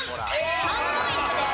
３ポイントです。